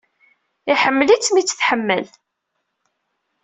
Iḥemmel-itt mi i t-tḥemmel.